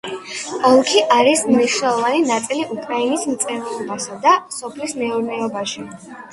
ოლქი არის მნიშვნელოვანი ნაწილი უკრაინის მრეწველობასა და სოფლის მეურნეობაში.